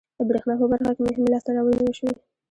د بریښنا په برخه کې مهمې لاسته راوړنې وشوې.